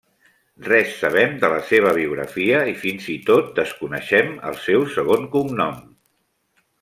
Res sabem de la seva biografia i fins i tot desconeixem el seu segon cognom.